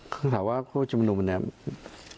คุณถามว่าผู้จงนุมแบบนี้